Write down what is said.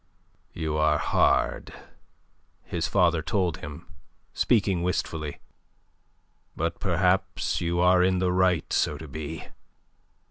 "You are hard," his father told him, speaking wistfully. "But perhaps you are in the right so to be.